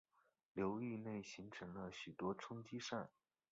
流域内形成了许多冲积扇。